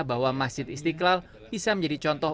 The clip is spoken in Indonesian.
bahwa masjid istiqlal bisa menjadi contoh